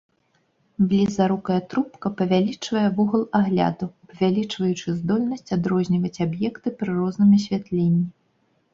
Блізарукая трубка павялічвае вугал агляду, павялічваючы здольнасць адрозніваць аб'екты пры розным асвятленні.